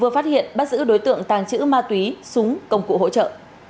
vừa phát hiện bắt giữ đối tượng tàng trữ ma túy súng công cụ hỗ trợ